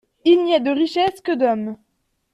Il n'y a de richesses que d'hommes